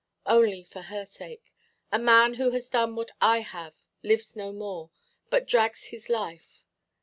Only for her sake. A man who has done what I have lives no more, but drags his life.